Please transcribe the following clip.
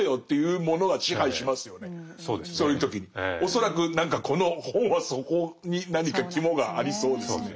恐らく何かこの本はそこに何か肝がありそうですね。